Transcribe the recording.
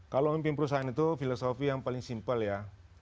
kalau memimpin perusahaan itu filosofi yang paling simpel ya